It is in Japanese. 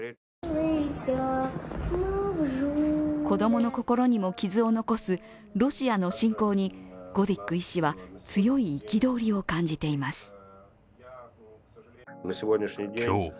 子供の心にも傷を残すロシアの侵攻にゴディック医師は強い憤りを感じています。